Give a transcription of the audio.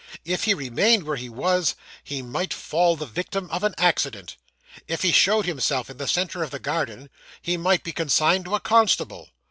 If he remained where he was, he might fall the victim of an accident; if he showed himself in the centre of the garden, he might be consigned to a constable.